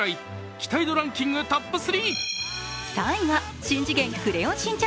期待度ランキングトップ３。